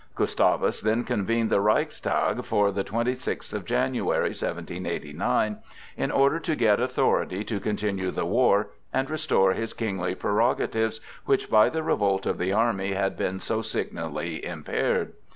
Gustavus then convened the Reichstag for the twenty sixth of January, 1789, in order to get authority to continue the war and restore his kingly prerogatives, which by the revolt of the army had been so signally impaired.